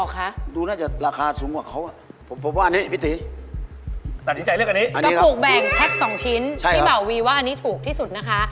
ก็ถูกแบ่งแพ็ค๒ชิ้นพี่เบาวีว่าอันนี้ถูกที่สุดนะคะ